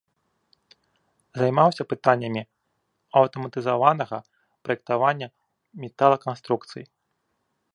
Займаўся пытаннямі аўтаматызаванага праектавання металаканструкцый.